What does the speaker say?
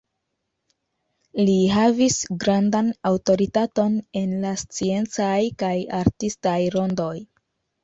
Li havis grandan aŭtoritaton en la sciencaj kaj artistaj rondoj.